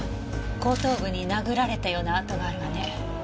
後頭部に殴られたような痕があるわね。